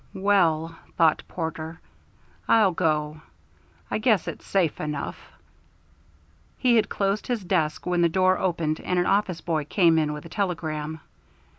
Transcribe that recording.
"Well," thought Porter, "I'll go. I guess it's safe enough." He had closed his desk when the door opened and an office boy came in with a telegram.